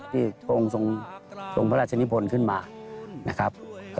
ที่ทรงพระราชนิพนธ์ขึ้นมานะครับ